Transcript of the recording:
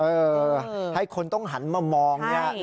เออให้คนต้องหันมามองเนี่ย